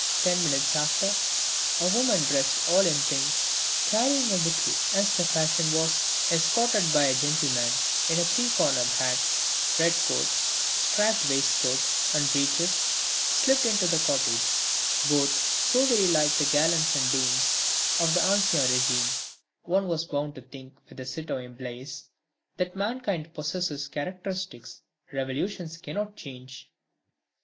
Ten minutes after a woman dressed all in pink, carrying a bouquet as the fashion was, escorted by a gentleman in a three cornered hat, red coat, striped waistcoat and breeches, slipped into the cottage, both so very like the gallants and dames of the ancien régime one was bound to think with the citoyen Blaise that mankind possesses characteristics Revolutions cannot change.